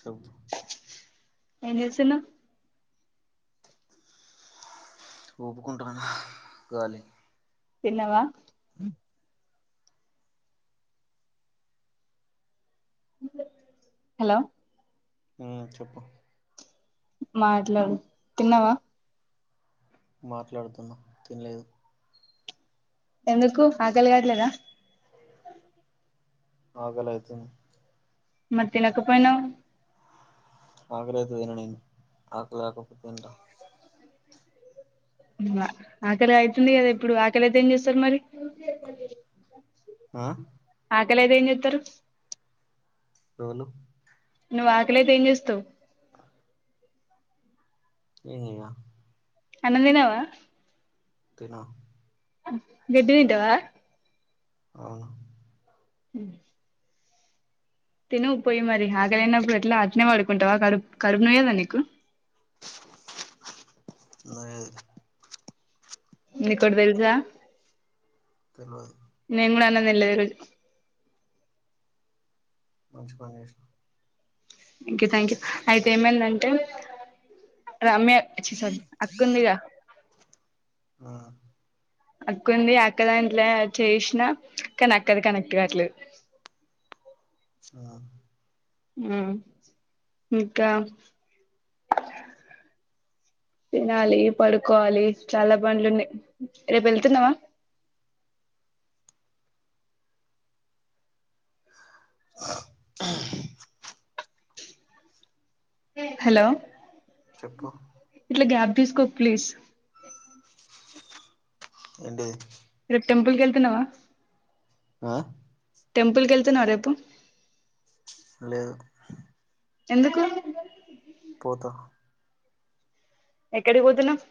చెబ్ ఏం చేస్తున్నావ్ ఊపుకుంటున్నాను గాలి తిన్నావా హలో ఉమ్ చెప్పు మాట్లాడు తిన్నావా మాట్లాడుతున్నా తినలేదు ఎందుకు ఆకలి కాట్లేదా ఆకలి అయితుంది మరి తినకపోయినవ్ ఆకలైతే తినండి ఆకలి లేకపోతే తింట ఆక్కడ అవుతుంది కదా ఇప్పుడు ఆకలయితే ఏం చేస్తారు మరి ఆ ఆకలైతే ఏం చేత్తారు అవును నువ్వు ఆకలైతే ఏం చేస్తావ్ ఏం చెయ్యా అన్నం తిన్నావా తానా గడ్డి తింటావా అవును హుమ్ తిను పోయి మరి ఆకలైనప్పుడు ఎట్లా అట్నే పడుకుంటావా కరు కరుపు నొయ్యదా నీకు లేదు నీకొకటి తెల్సా తెల్వదు నేన్ కూడా అన్నం [unintelligible] మంచి పని చేషినవ్ థాంక్యు థాంక్యు హా అయితే ఏమైందంటే రమ్య చ్చిచ్చీ అక్కుందిగా ఆ అక్కుంది అక్క దాంట్లో యాడ్ చేషినా కానీ అక్కది కనెక్ట్ కాదుట్లే మ్మ్ మ్ ఇంకా తినాలి పడుకోవాలి చాలా బండ్లు ఉన్నాయి రేపు వెళ్తున్నావా ఆ మ్ హలో చెప్పు ఇట్ల గ్యాప్ దీసుకోక్ ప్లీజ్ ఏంటీది రేపు టెంపుల్కెళ్తున్నవా ఆ టెంపుల్కెళ్తున్నావా రేపు లేదు ఎందుకు పోతా ఎక్కడికి పోతున్నావ్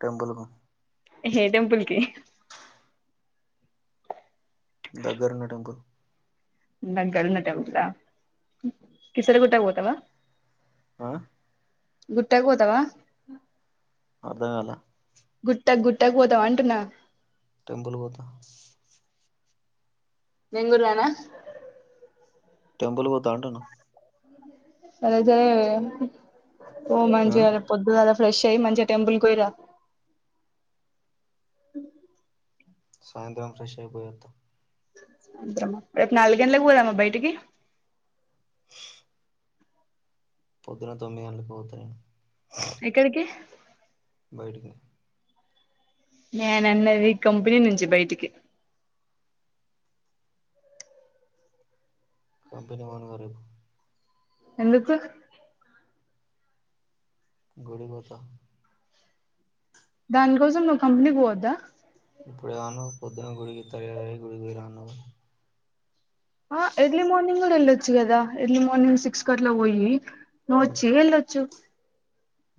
టెంపుల్కు ఏ టెంపుల్కి దగ్గర ఉన్న టెంపుల్ దగ్గరున్న టెంపులా కిసరి గుట్ట కు పోతావా ఆ గుట్టకుపోతవా అర్ధంకాల గుట్టకు గుట్టకుపోతావా అంటున్నా టెంపుల్ పోత నేంకూడ రానా టెంపుల్ పోతా అంటున్న సరైతే పో ఆ మంచిగా రేపు పొద్దుగాల ఫ్రెష్ అయి మంచిగా టెంపుల్ కు పోయిరా సాయంత్రం ఫ్రెష్ అయి పోయోత్త సాయంత్రమ రేపు నాలుగు గంటలకి పోదామ బయటికి పొద్దున తొమ్మి గంటలకు పోతానెను ఎక్కడికి బైటికి నేన్ అన్నది కంపెనీ నుంచి బైటికి కంపెనీ పోను గా రేపు ఎందుకు గుడికిపోతా దానికోసం నువ్వు కంపెనీకి పోవద్ద ఇప్పుడు ఏవన్నావ్ పొద్దున్న గుడికి తయారై గుడికి పోయి రా అన్నావు గా ఆ ఎర్లీ మార్నింగ్ కూడా ఏళ్ళొచ్చు గదా ఎర్లీ మార్నింగ్ సిక్స్ కట్లా పోయి నువోచ్చి వెళ్ళొచ్చు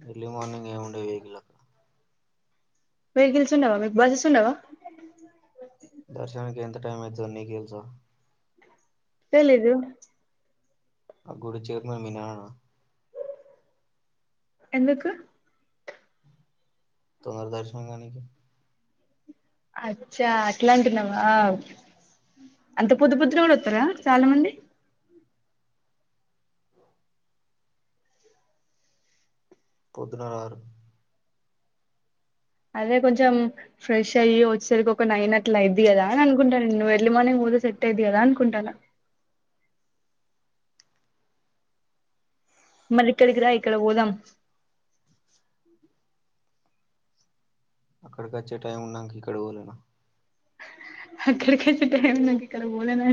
ఎర్లీ మార్నింగ్ ఏముండై వెకిల్ల వెకిల్స్ ఉండవా మీకు బస్సెస్ ఉండవా దర్శనానికి ఎంత టైం అయితదో నీకు తెలుసా తెలీదు ఆ గుడి చైర్మన్ మీ నాన్న నా ఎందుకు తొందరగా దర్శనం కానికి అచ్చా అట్లా అంటున్నావా అంత పొద్దు పొద్దున కూడా వత్తరా చాలా మంది పోద్దున రారు అదే కొంచెం ఫ్రెష్ అయ్యి వచ్చేసరికి ఒక నైన్ అట్ల అయిద్ది కదా అని అనుకుంటాను నువు ఎర్లీ మార్నింగ్ పోతే సెట్ అయిది కదా అనుకుంటాను మరి ఇక్కడికి రా ఇక్కడ పోదాం అక్కడికి అచ్చే టైం ఉన్నాక ఇక్కడ పోలేనా అక్కడికైతే టైం ఇక్కడ పోలేన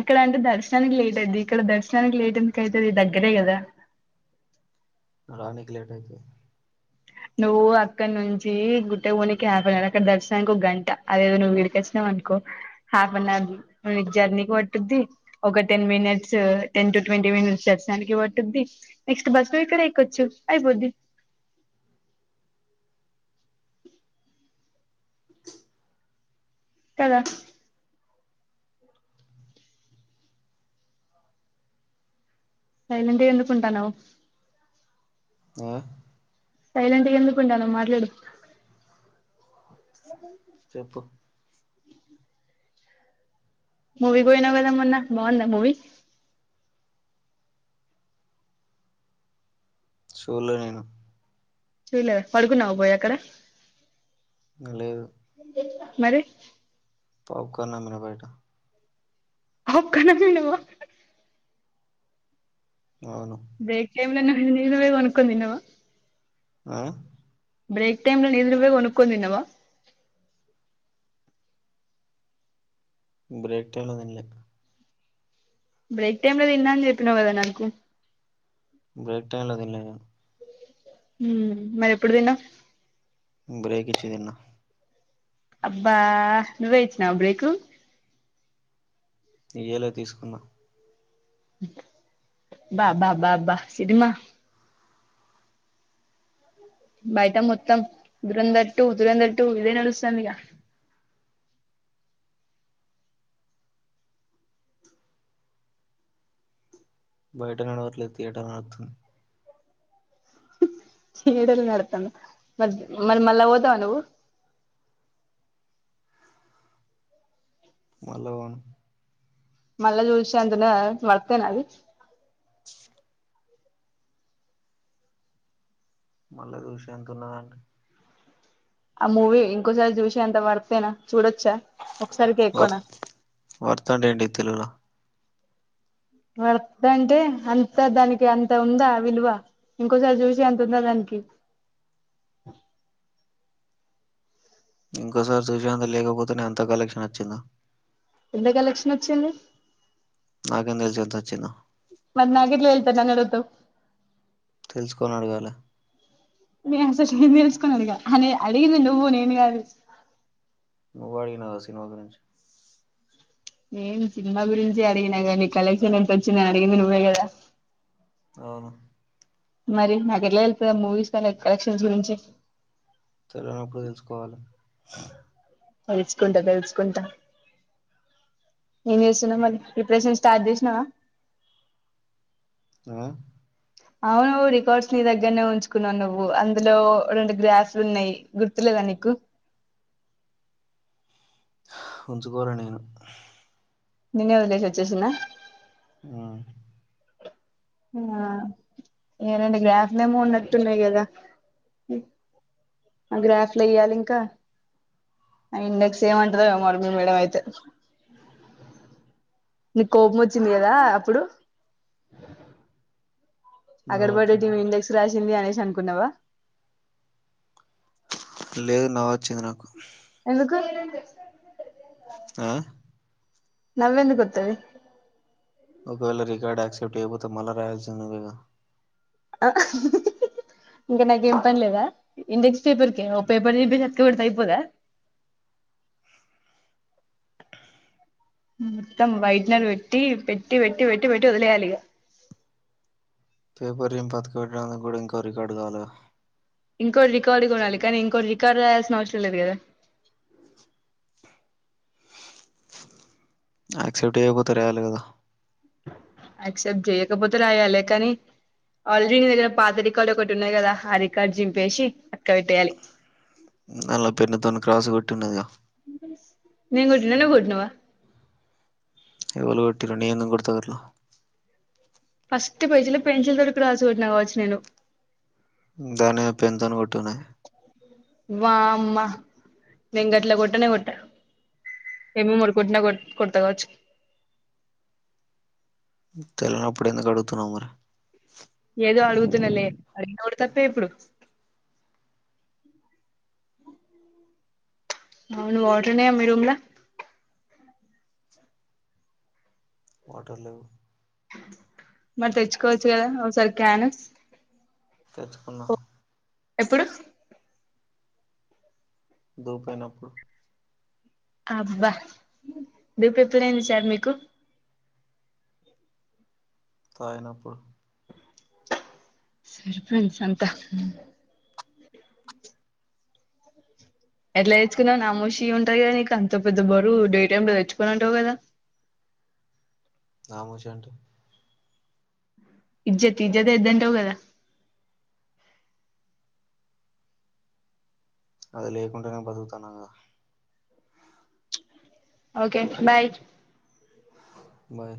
అక్కడ అంటే దర్శనానికి లేట్ అయిది ఇక్కడ దర్శనానికి లేట్ ఎందుక అయితది దగ్గరే కదా రానికి లేట్ అయతది నువ్వు అక్కడ నుంచి గుట్టే పోనికి హాఫ్ అన్ అవర్ అక్కడ దర్శనానికి ఒక గంట అదేదో నువ్వు ఇక్కడికి వచ్చినావ్ అనుకో హాఫ్ అన్ అవర్ జర్నీకి పట్టుది ఒక ten minutes ten to twenty minutes దర్శనానికి పటుద్ది నెక్స్ట్ బస్ లో ఇక్కడ ఎయిక్కొచ్చు అయిపోద్ది కదా సైలెంట్ ఎందుకుంటాన్నావు మ్మ్ సైలెంట్గా ఎందుకుంటాన్నావ్ మాట్లాడు చెప్పు మూవీ కోయినవ్ కదా మొన్నా బాగుందా మూవీ చూళ్ళే నేను చూడలేద పడుకున్నావు పోయి అక్కడ ఇంగ లేదు మరి పాప్కాన్లు అమ్మిన బయట పాప్కాన్ లు అమ్మినవా అవును బ్రేక్ టైంలో ఎందుకు తిన నిను నువ్వేం ఒండుకొని తిన్నవా ఆ బ్రేక్ టైమ్ లో నీది నువ్వే కొనుక్కుని తిన్నావా బ్రేక్ టైం లొ తిన్లే బ్రేక్ టైమ్ లో తిన్నా అని చెప్పినావు కదా నాకు బ్రేక్ టైంమ్లో తిన్లే నేను మ్మ్ మరి ఎప్పుడు తింటావ్ బ్రేకిిచ్చి తిన్నా అబ్బా నువ్వే ఇచ్చినావ బ్రేకు ఇయ్యలా తీసుకున్నా బా బ బా బా సినిమా బయట మొత్తం దురందర్ టూ దురందర్ టూ ఇదే నడుస్తాందిగా బయట నడవట్లేద్ థియేటర్లొ నడుత్తుంది చీడలు నడతాను మ మరి మళ్ళా ఓతావా నువ్వు మళ్ళా పోను మళ్ళ జూషేఅంతను మర్తేన అది మళ్ళా జూశా అంటున్నానంటే ఆ మూవి ఇంకొసారి జూషే అంత వర్తేనా చూడచ్ వర్త్ వర్త్ అంటే ఏంటి తెలుగులో వర్త్ అంటే అంత దానికి అంత ఉందా ఆ విలువ ఇంకోసారి చూసి అంత ఉందా దానికి ఇంకోసారి చూశేంత లేకపోతె నె అంత కలెక్షన్ నచ్చిందా ఎంత కలెక్షన్ వొచ్చింది నాకేం తెలుసు ఎంతొచ్చిందో మరి నాకెట్లా తెల్సని నన్నడుగుతావ్ తెలుసుకోనీ అడగాల నేను అసలు [unintelligible] అని అడిగింది నువ్వు నేను కాదు నువ్వే అడిగినావుగ సినిమా గురించి నేను సినిమా గురించే అడిగినాగాని కలెక్షన్ ఎంత వచ్చిందో అని అడిగింది నువ్వే కదా అవును మరి నాకు ఎట్లా తెల్తది మూవీస్ పైన అ కలెక్షన్స్ గురించి సరే నువ్వు కూడా తెలుసుకోవాలి తెల్సుకుంటా తెల్సుకుంటా ఏం చేస్తున్నావ్ మరి ప్రిపరేషన్స్ స్టార్ట్ చేసినావా ఆ అవునూ రికార్డ్స్ నీ దగ్గరనే ఉంచుకున్నావు నువ్వు అందులో రెండు గ్రాఫ్స్ ఉన్నాయి గుర్తులేదా నీకు ఉంచుకోరా నేను నేనే వదిలేసి వచ్చేసిన్నా ఆ ఆ రెండు గ్రాఫ్లేమో ఉన్నట్టున్నాయి కదా ఆ గ్రాఫ్లె య్యాలి ఇంకా ఆ ఇండెక్స్ ఏమంటదో ఆ మరి మీ మేడం అయితే నీకు కోపం వచ్చింది కదా అప్పుడు నవ్వొచ్చింది అగడ్బడితివి ఇండెక్స్ రా ఉంది అనేసి అనుకున్నావా లేదు నవ్వుచ్చింది నాకు ఎందుకు ఆ నవ్వెందుకు ఒత్తది ఒకవేళ రికార్డ్ యాక్సెప్ట్ చేయకపోతే మల్లా రాయాల్సిందే గా ఇంకా నాకేం పనిలేదా ఇండెక్స్ పేపర్ పేపర్ ని భేజా డత అయిపోదా మొత్తం వైటినరు పెట్టి పెట్టి పెట్టి పెట్టి పెట్టి వదిలేయాలిగా పేపర్ ఏం బతక పెట్టడానికి కూడా ఇంక రికార్డు కాాల ఇంకోటి రికార్డు కొనాలి కానీ ఇంకోటి రికార్డ్ రాయాల్సిన అవసరం లేదు కదా యాక్సెప్ట్ అవకపోతే రయాలి కదా యాక్సెప్ట్ చేయకపోతే రాయాలి కానీ ఆల్రెడీ నీ దగ్గర పాత రికార్డు ఒకటి ఉన్నది కదా ఆ రికార్డు చింపేసి అక్కడ పెట్టేయాలి అల పెన్న తొని క్రాస్ కొట్టి ఉన్నదిగా నేను గొట్టినాన నువ్వు గొట్టినావ ఎవళు కొట్టిర్రు నేనెందుకు కొడతా అట్లా ఫస్ట్ పోయి పెన్సి తో క్రాస్ పెట్టినా నేను దాన్ని నేను పెన్ తోనే కొట్టాన వామ్మా నేం గట్లా కొట్టనే కొట్ట ఏమో మరి కొట్టిన కొ కొట్ట వచ్చు తెలవనప్పుడు ఎందుకు అడుగుతున్నావ్ మరి ఏదో అడుగుతున్న లే అడిగి గూడ తప్పే ఇప్పుడు అవును వాటర్ ఉన్నాయ మీ రూమ్ ల వాటర్ లేవు మరి తెచ్చుకోవచ్చు కదా ఒకసారి క్యాను తెచ్చుకున్నా ఎప్పుడు దో పైనప్పుడు అబ్బా దూపు ఎప్పుడైంది సార్ మీకు తయినపూర్ సరిపోయింది సంత ఎట్లా తెేచ్చుకున్నా నా మోష ఉంటారు కదా నీకు అంత పెద్ద బరు డే టై లో తెచ్చుకుని ఉంటావు కదా నాముషంటే ఇజ్జత్ ఇజ్జతే ఎద్దంటావు గదా అది లేకుండానే బతుకుతాన్నాగా ఓకే బాయ్ బాయ్